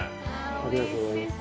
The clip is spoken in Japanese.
ありがとうございます。